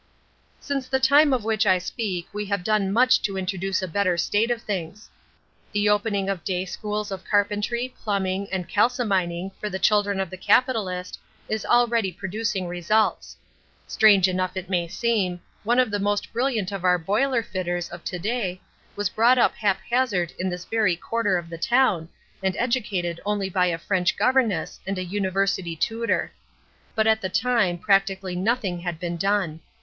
"Since the time of which I speak we have done much to introduce a better state of things. The opening of day schools of carpentry, plumbing and calcimining for the children of the capitalist is already producing results. Strange though it may seem, one of the most brilliant of our boiler fitters of to day was brought up haphazard in this very quarter of the town and educated only by a French governess and a university tutor. But at the time practically nothing had been done.